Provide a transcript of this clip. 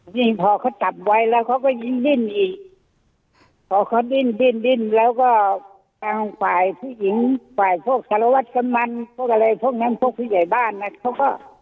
ยิ่งพอเขาจับไว้แล้วเขาก็ยิ่งดิ้นอีกพอเขาดิ้นดิ้นดิ้นแล้วก็ทางฝ่ายผู้หญิงฝ่ายพวกสารวัตรกำมันพวกอะไรพวกนั้นพวกผู้ใหญ่บ้านนะเขาก็